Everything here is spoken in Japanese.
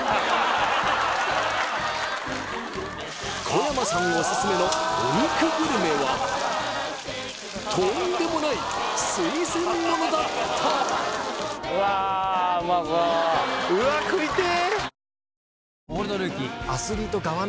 小山さんオススメのお肉グルメはとんでもない垂ぜんものだった！